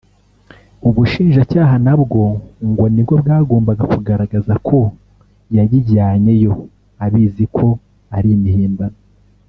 Ubushinjacyaha nabwo ngo nibwo bwagombaga kugaragaza ko yayijyanyeyo abizi ko ari imihimbano